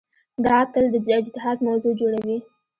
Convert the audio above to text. دا تل د اجتهاد موضوع جوړوي.